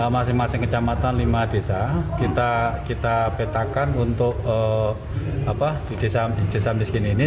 masing masing kecamatan lima desa kita petakan untuk di desa miskin ini